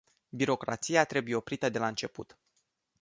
Birocrația trebuie oprită de la început.